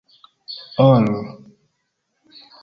ol